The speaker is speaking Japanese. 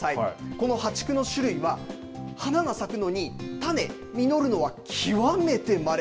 このハチクの種類は、花が咲くのに種、実るのは極めてまれ。